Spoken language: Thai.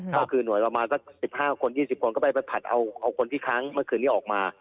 จุดประมาณ๑๕๒๐คนจะไปผัดเอาคนที่ค้างเมื่อคืนนี้ออกมา